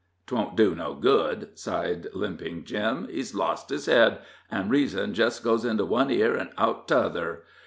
"'Twon't do no good," sighed Limping Jim. "He's lost his head, an' reason just goes into one ear and out at t'other.